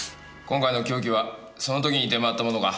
今回の凶器はその時に出回ったものか？